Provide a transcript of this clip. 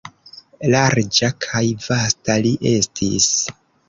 Larĝa kaj vasta li estis!